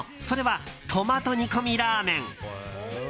それは、トマト煮込みラーメン。